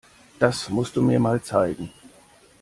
Das musst du mir mal zeigen.